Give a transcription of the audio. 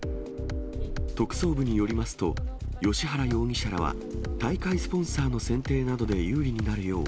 特捜部によりますと、芳原容疑者らは、大会スポンサーの選定などで有利になるよう、